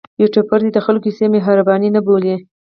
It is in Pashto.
یوټوبر دې د خلکو کیسې مهرباني نه بولي.